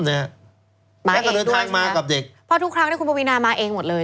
แล้วก็เดินทางมากับเด็กเพราะทุกครั้งที่คุณปวีนามาเองหมดเลย